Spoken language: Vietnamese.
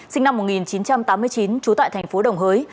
sinh năm một nghìn chín trăm tám mươi chín trú tại thành phố đồng hới